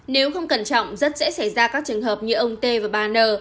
nếu không cẩn trọng rất dễ xảy ra các trường hợp như ông t và ba n